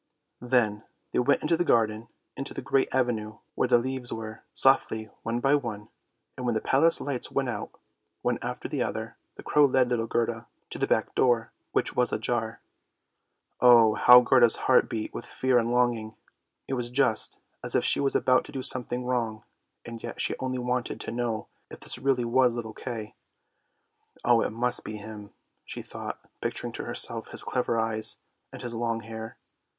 Then they went into the garden, into the great avenue where the leaves were, softly one by one; and when the Palace lights went out, one after the other, the crow led little Gerda to the back door, which was ajar. Oh, how Gerda's heart beat with fear and longing! It was just as if she was about to do something wrong, and yet she only THE SNOW QUEEN 203 wanted to know if this really was little Kay. Oh, it must be him, she thought picturing to herself his clever eyes and his long hair.